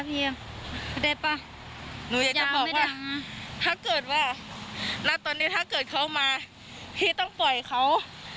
และตอนนี้ถ้าเกิดเขามาพี่ต้องปล่อยเขา